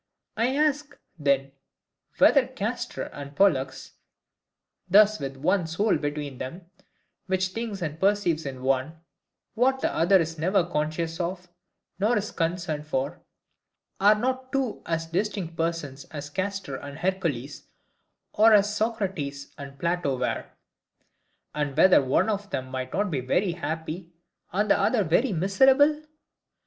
I ask, then, whether Castor and Pollux, thus with only one soul between them, which thinks and perceives in one what the other is never conscious of, nor is concerned for, are not two as distinct PERSONS as Castor and Hercules, or as Socrates and Plato were? And whether one of them might not be very happy, and the other very miserable?